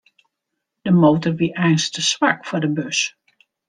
De motor wie eink te swak foar de bus.